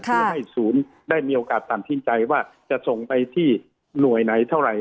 เพื่อให้ศูนย์ได้มีโอกาสตัดสินใจว่าจะส่งไปที่หน่วยไหนเท่าไหร่